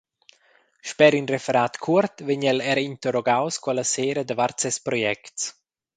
Sper in referat cuort vegn el era interrogaus quella sera davart ses projects.